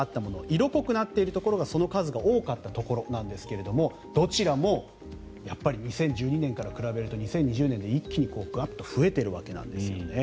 色濃くなっているところがその数が多かったところなんですがどちらもやっぱり２０１２年から比べると２０２０年で一気に増えているわけなんですね。